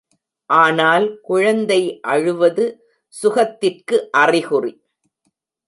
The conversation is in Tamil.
ஆனால் குழந்தை அழுவது சுகத்திற்கு அறிகுறி.